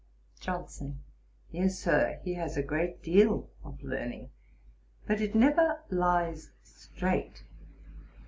JOHNSON. 'Yes, Sir, he has a great deal of learning; but it never lies straight.